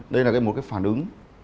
đây là cái một cái phản ứng